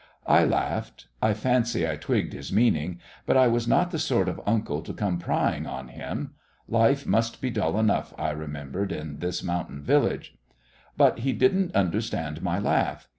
I laughed. I fancied I twigged his meaning. But I was not the sort of uncle to come prying on him. Life must be dull enough, I remembered, in this mountain village. But he didn't understand my laugh.